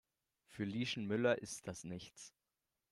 Für Lieschen Müller ist das nichts.